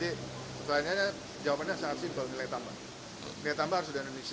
nilai tambah harus di indonesia penyerapan penerbangan kerjaannya juga harus di indonesia